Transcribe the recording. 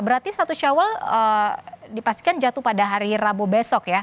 berarti satu syawal dipastikan jatuh pada hari rabu besok ya